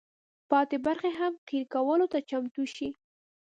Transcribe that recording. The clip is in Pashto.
پاتې برخې هم قیر کولو ته چمتو شي.